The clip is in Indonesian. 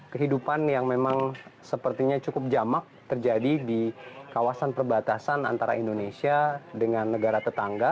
kehidupan yang memang sepertinya cukup jamak terjadi di kawasan perbatasan antara indonesia dengan negara tetangga